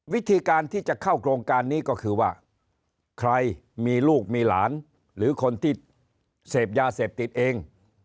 วิธีการที่จะเข้าโครงการนี้ก็คือว่าใครมีลูกมีหลานหรือคนที่เสพยาเสพติดเอง